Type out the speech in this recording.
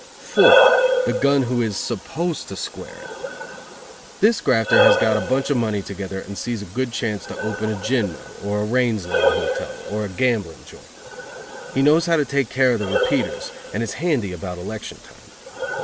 4. The gun who is supposed to square it. This grafter has got a bunch of money together and sees a good chance to open a gin mill, or a Raines Law hotel, or a gambling joint. He knows how to take care of the repeaters, and is handy about election time.